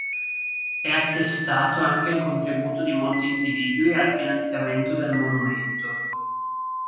E' attestato anche il contributo di molti individui al finanziamento del monumento.